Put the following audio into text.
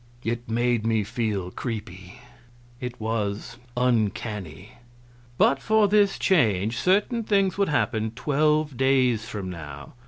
It made me feel creepy; it was uncanny. "But for this change certain things would happen twelve days from now.